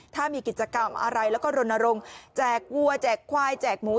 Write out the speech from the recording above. ถ้ามีกิจกรรมอะไรแล้วก็รณรงค์แจกวัวแจกควายแจกหมู